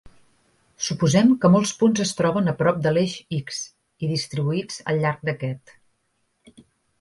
Suposem que molts punts es troben a prop de l'eix "x" i distribuïts al llarg d'aquest.